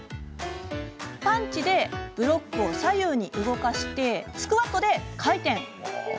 パンチでブロックを左右に動かしスクワットで回転。